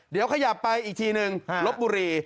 เดี๋ยวขยับไปอีกทีนึงลบบุรี